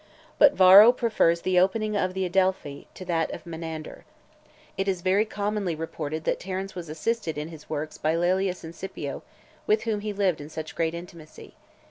But Varro prefers the opening of The Adelphi to that of Menander. It is very commonly reported that Terence was assisted in his works by Laelius and Scipio , with whom he lived in such great intimacy.